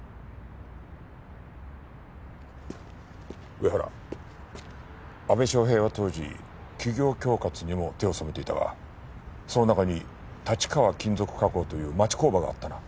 上原阿部祥平は当時企業恐喝にも手を染めていたがその中に立川金属加工という町工場があったな？